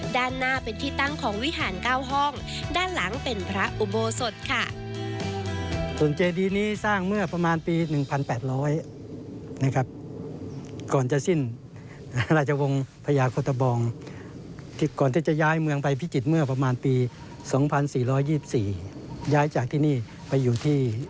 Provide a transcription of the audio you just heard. ด้านหน้าเป็นที่ตั้งของวิหารเก้าห้อง